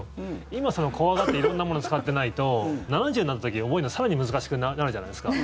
今、怖がって色んなものを使ってないと７０になった時、覚えるの更に難しくなるじゃないですか。